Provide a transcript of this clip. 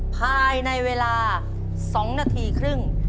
ภายในเวลา๒นาทีครึ่ง